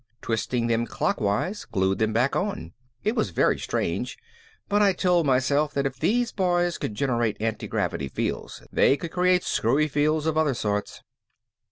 Twisting them clockwise glued them back on. It was very strange, but I told myself that if these boys could generate antigravity fields they could create screwy fields of other sorts.